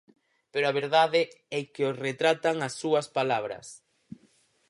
Pero a verdade é que os retratan as súas palabras.